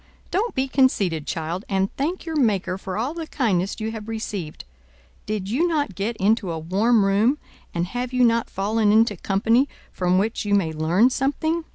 Don't be conceited, child, and thank your Maker for all the kindness you have received. Did you not get into a warm room, and have you not fallen into company from which you may learn something?